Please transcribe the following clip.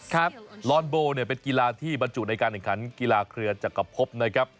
ครับลอนโบเนี่ยเป็นกีฬาที่บรรจุในการแข่งขันกีฬาเครือจักรพบนะครับ